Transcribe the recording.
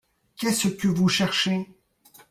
Qu'est-ce que vous cherchez ?